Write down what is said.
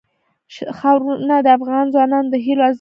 ښارونه د افغان ځوانانو د هیلو استازیتوب کوي.